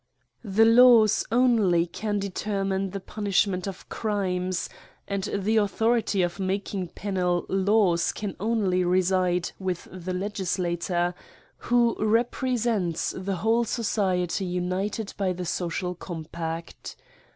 THE laws only can determine the punishment of crimes ; and the authority of making penal laws can only reside with the legislator, who re presents the whole society united by the social compact.